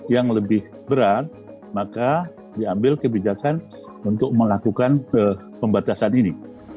jika berat maka diambil kebijakan untuk melakukan pembatasan ini